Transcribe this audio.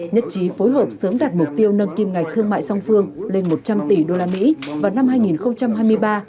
nhất trí phối hợp sớm đặt mục tiêu nâng kim ngạch thương mại song phương lên một trăm linh tỷ usd vào năm hai nghìn hai mươi ba